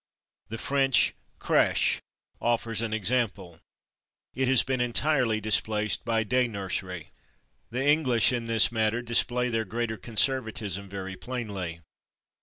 The French /crèche/ offers an example; it has been entirely displaced by /day nursery/. The English, in this matter, display their greater conservatism very plainly.